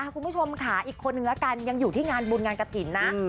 คุณผู้ชมค่ะอีกคนนึงละกันยังอยู่ที่งานบุญงานกระถิ่นนะ